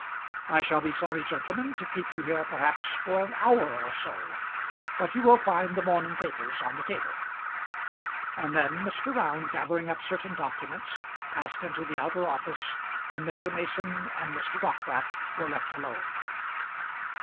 I shall be sorry, gentlemen, to keep you here, perhaps for an hour or so, but you will find the morning papers on the table." And then Mr. Round, gathering up certain documents, passed into the outer office, and Mr. Mason and Mr. Dockwrath were left alone.